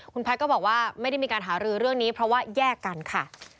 คุณแพทย์ก็บอกว่าไม่ได้มีการหารือเรื่องนี้เพราะว่าแยกกันค่ะ